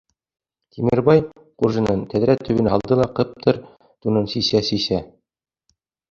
Тимербай ҡуржынын тәҙрә төбөнә һалды ла ҡыптыр тунын сисә-сисә: